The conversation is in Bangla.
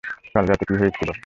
কাল রাতে কী হয়েছিল?